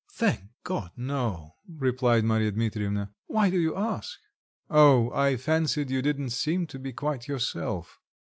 "Thank God, no," replied Marya Dmitrievna; "why do you ask?" "Oh, I fancied you didn't seem to be quite yourself."